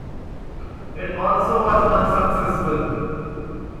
It also was unsuccessful.